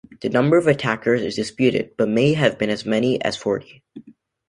The number of attackers is disputed, but may have been as many as forty.